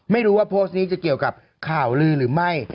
ไม่รู้ว่าโพสต์นี้จะเกี่ยวกับข่าวลือหรือไม่